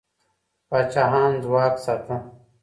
پاچاهان ځواک ساته.